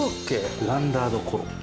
ブランダードコロッケ。